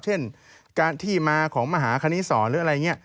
เช่นการที่มาของมหาคณิสรหรืออะไรอย่างนี้